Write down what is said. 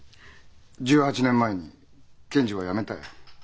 １８年前に検事は辞めたよ。